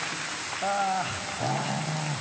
ああ。